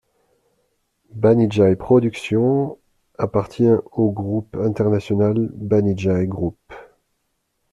Banijay Productions appartient au groupe international Banijay Group.